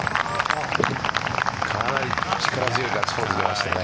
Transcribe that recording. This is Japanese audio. かなり力強いガッツポーズが出ましたね。